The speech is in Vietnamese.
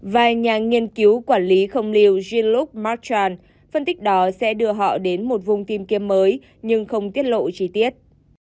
vài nhà nghiên cứu quản lý không liều jean luc marchand phân tích đó sẽ đưa họ đến một vùng tìm kiếm mới nhưng không tiết lộ chi tiết